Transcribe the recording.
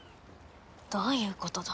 どういうことだ？